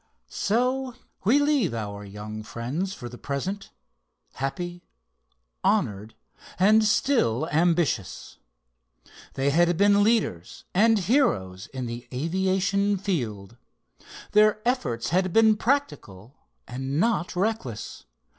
So we leave our young friends for the present, happy, honored and still ambitious. They had been leaders and heroes in the aviation field. Their efforts had been practical and not reckless.